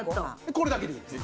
これだけでいいんです。